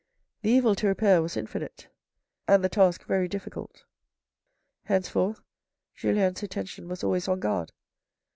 The evil to repair was infinite, and the task very difficult. Hence forth, Julien's attention was always on guard.